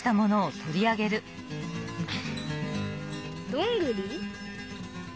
どんぐり？